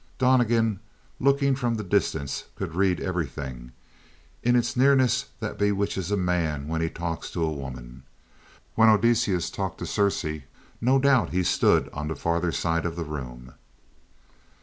Donnegan, looking from the distance, could read everything; it is nearness that bewitches a man when he talks to a woman. When Odysseus talked to Circe, no doubt he stood on the farther side of the room!